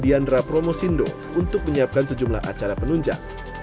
diandra promosindo untuk menyiapkan sejumlah acara penunjang